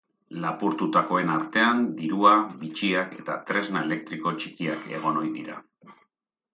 Lapurtutakoen artean, dirua, bitxiak eta tresna elektriko txikiak egon ohi dira.